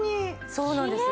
そうなんです。